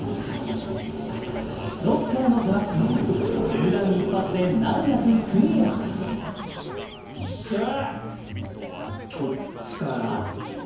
ロッカーのトラップは銃弾１発で難なくクリアしゃー